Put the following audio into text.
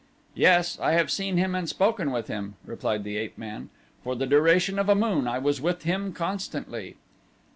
"Yes, I have seen him and spoken with him," replied the ape man. "For the duration of a moon I was with him constantly."